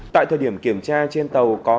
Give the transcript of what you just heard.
tại thời điểm kiểm tra trên tàu có